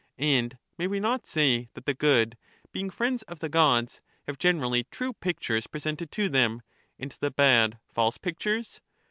And may we not say that the good, being friends of And the the gods, have generally true pictures presented to them, ^^^^e^ and the bad false pictures